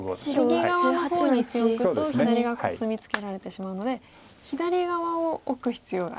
右側の方に１線オクと左側コスミツケられてしまうので左側をオク必要があります。